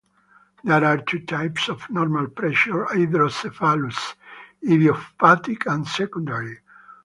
There are two types of normal pressure hydrocephalus: idiopathic and secondary.